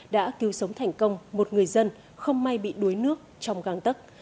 đã cứu sống thành công một người dân không may bị đuối nước trong găng tấc